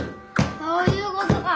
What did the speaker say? そういうことか！